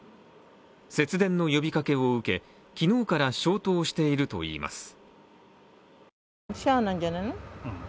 節電の呼びかけを受け、昨日から消灯しているといいます。